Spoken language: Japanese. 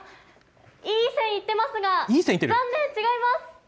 いい線いってますが、残念、違います。